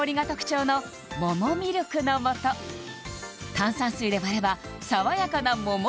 炭酸水で割ればさわやかなもも